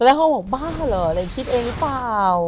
แล้วเขาบอกบ้าเหรออะไรคิดเองหรือเปล่า